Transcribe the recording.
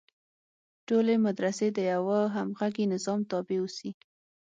ټولې مدرسې د یوه همغږي نظام تابع اوسي.